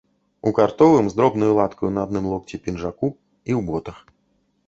У картовым, з дробнаю латкаю на адным локці, пінжаку і ў ботах.